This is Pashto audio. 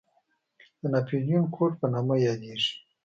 د ناپلیون کوډ په نامه یادېږي.